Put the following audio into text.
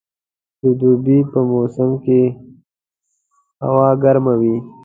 د دوبي په موسم کښي هوا ګرمه وي.